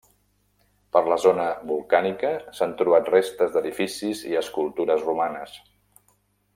Per la zona volcànica s'han trobat restes d'edificis i escultures romanes.